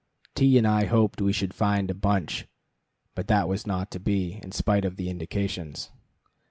T and I hoped we should find a bunch, but that was not to be, in spite of the indications.